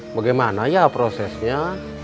bagaimana ya prosesnya